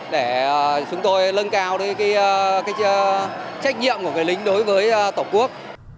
để chúng tôi lân cao trách nhiệm của người lính đối với tổ quốc